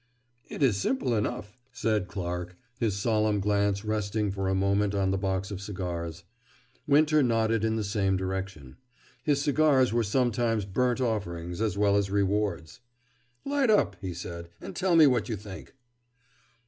"It is simple enough," said Clarke, his solemn glance resting for a moment on the box of cigars. Winter nodded in the same direction. His cigars were sometimes burnt offerings as well as rewards. "Light up," he said, "and tell me what you think."